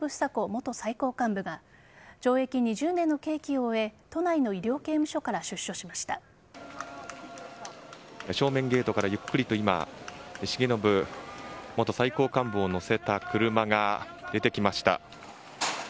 元最高幹部が懲役２０年の刑期を終え都内の医療刑務所から正面ゲートからゆっくりと今重信元最高幹部を乗せた車が出てきました。